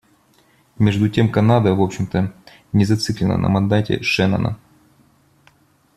Между тем Канада, в общем-то, не зациклена на мандате Шеннона.